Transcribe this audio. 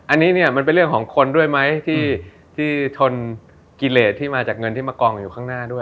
อันนี้เนี่ยมันเป็นเรื่องของคนด้วยไหมที่ทนกิเลสที่มาจากเงินที่มากองอยู่ข้างหน้าด้วย